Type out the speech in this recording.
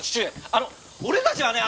あの俺たちはね